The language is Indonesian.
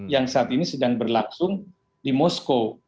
yang saat ini sedang berlangsung di moskow